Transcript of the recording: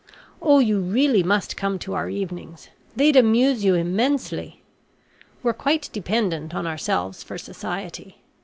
Oh, you really must come to our evenings; they'd amuse you immensely. We're quite dependent on ourselves for society.